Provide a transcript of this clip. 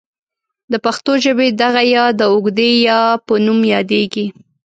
د پښتو ژبې دغه ې د اوږدې یا په نوم یادیږي.